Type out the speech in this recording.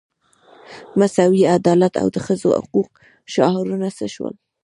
مساوي عدالت او د ښځو حقوقو شعارونه څه شول.